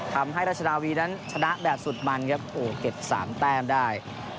ราชนาวีนั้นชนะแบบสุดมันครับโอ้โหเก็บ๓แต้มได้